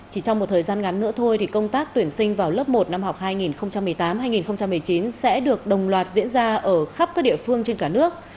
chỉ trong một thời gian ngắn nữa thôi thì công tác tuyển sinh vào lớp một năm học hai nghìn một mươi tám hai nghìn một mươi chín sẽ được đồng loạt diễn ra ở khắp các địa phương trên cả nước